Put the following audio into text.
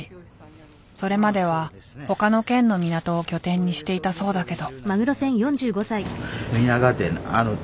それまでは他の県の港を拠点にしていたそうだけど。